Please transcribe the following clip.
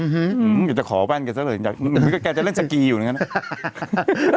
มึงมึงอย่าจะขอแว่นแกสักละเนี่ยมึงจะเหมือนแกเล่นสกีอยู่นะ